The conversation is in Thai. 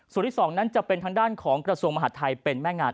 ส่วนที่๒นั้นจะเป็นทางด้านของกระทรวงมหาดไทยเป็นแม่งาน